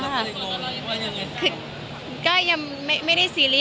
คุณก็ไม่รู้อาจจะถืออะไรอย่างนี้